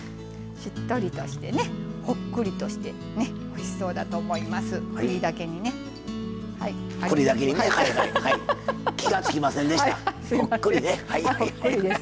しっとりとして「ほっくり」としておいしそうだと思います。